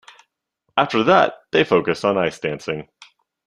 After that they focused on ice dancing.